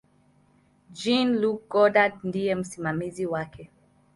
Jean-Luc Godard ndiye msimamizi wake.